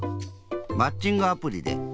マッチングアプリで。